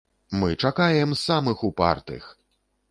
Мы чакаем самых упартых!